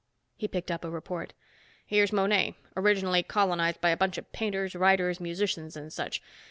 He picked up a report. "Here's Monet, originally colonized by a bunch of painters, writers, musicians and such.